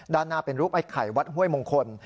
ด้านหน้าเป็นรูปไอ้ไข่วัดห้วยมงคล